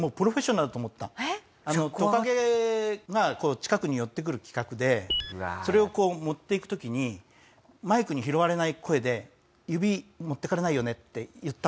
トカゲがこう近くに寄ってくる企画でそれをこう持っていく時にマイクに拾われない声で「指持っていかれないよね？」って言ったんですよ。